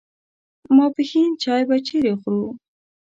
ماپښین چای به چیرې خورو.